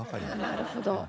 なるほど。